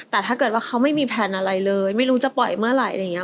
แต่ถ้าเกิดว่าเขาไม่มีแพลนอะไรเลยไม่รู้จะปล่อยเมื่อไหร่อะไรอย่างนี้